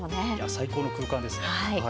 最高の空間ですね。